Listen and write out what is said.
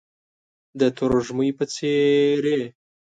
د ترږمۍ په څیرې،